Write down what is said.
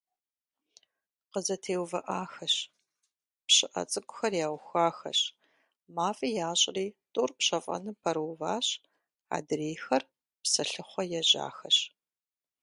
КъызэтеувыӀахэщ, пщыӀэ цӀыкӀухэр яухуахэщ, мафӀи ящӀри тӀур пщэфӀэным пэрыуващ, адрейхэр псылъыхъуэ ежьахэщ.